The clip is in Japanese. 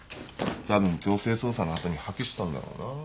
たぶん強制捜査の後に破棄したんだろうなぁ。